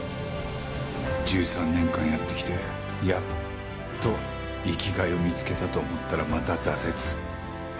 １３年間やってきてやっと生きがいを見つけたと思ったらまた挫折。